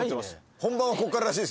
本番はこっかららしいです。